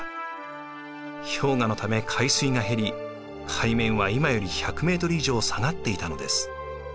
氷河のため海水が減り海面は今より１００ｍ以上下がっていたのです。